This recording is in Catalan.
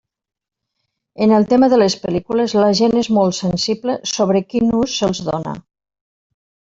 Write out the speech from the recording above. En el tema de les pel·lícules, la gent és molt sensible sobre quin ús se'ls dóna.